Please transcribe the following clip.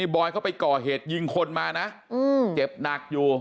บอยเขาไปก่อเหตุยิงคนมานะเจ็บหนักอยู่